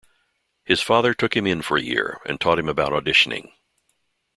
His father took him in for a year and taught him about auditioning.